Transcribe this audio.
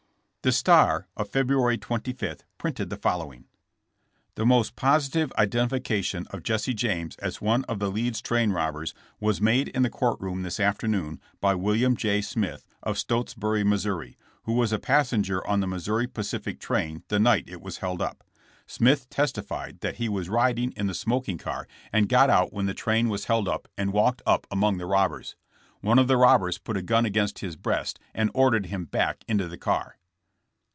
The Star of February 25 printed the following: "The most positive identification of Jesse James as one of the Leeds train robbers was made in the court room this afternoon by William J. Smith of Stotesbury, Missouri, who was a passenger on the Missouri Pacific train the night it was held up. Smith testified that he was riding in the smoking car THK TRIAL FOR TRAIN ROBBERY. 163 and got out when the train was held up and walked up among the robbers. One of the robbers put a gun against his breast and ordered him back into the car.